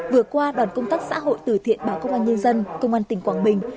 vừa qua đoàn công tác xã hội từ thiện báo công an nhân dân công an tỉnh quảng bình